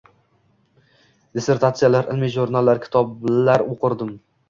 Dissertatsiyalar, ilmiy jurnallar, kitoblar o’qirdim....